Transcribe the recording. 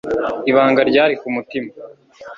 ibanga ryari ku mutima